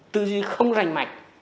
tư duy không rành mạch